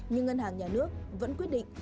nhưng ngân hàng nhà nước vẫn quyết định